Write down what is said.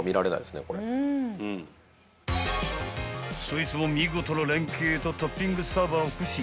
［そいつも見事な連携とトッピングサーバーを駆使］